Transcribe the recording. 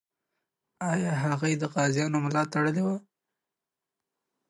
آیا هغې د غازیانو ملا تړلې وه؟